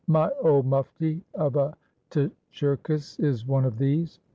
My old mufti of a Tcherkess is one of these.